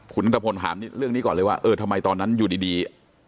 คุณนัทพลถามเรื่องนี้ก่อนเลยว่าเออทำไมตอนนั้นอยู่ดี